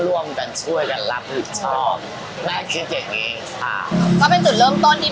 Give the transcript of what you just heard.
ร่วมกันช่วยกันรับผิดชอบและคิดอย่างงี้ค่ะก็เป็นจุดเริ่มต้นที่